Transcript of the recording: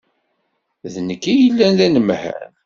D nekk i yellan d anemhal.